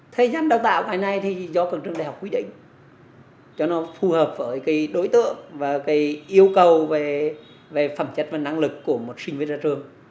thời gian đào tạo ngày nay thì do cần trường đại học quyết định cho nó phù hợp với đối tượng và yêu cầu về phẩm chất và năng lực của một sinh viên ra trường